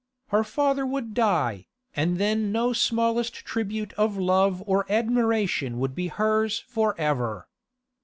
Her father would die, and then no smallest tribute of love or admiration would be hers for ever.